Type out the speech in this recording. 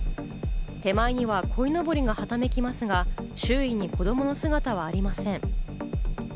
手前には鯉のぼりがはためきますが周囲に子供の姿はありません。